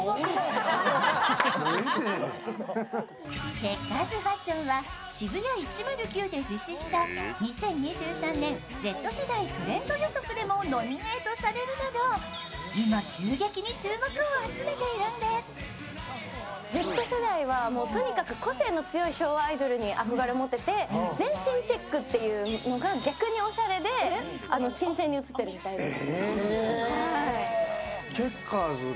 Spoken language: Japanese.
チェッカーズファッションはＳＨＩＢＵＹＡ１０９で実施した２０２３年Ｚ世代トレンド予測でもノミネートされるなど、今、急激に注目を集めているんですＺ世代はとにかく個性の強い昭和世代に憧れを持っていて全身チェックっていうのが逆におしゃれで新鮮に映ってるみたいです。